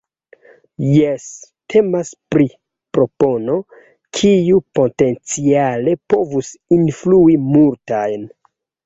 Jes, temas pri propono, kiu potenciale povus influi multajn.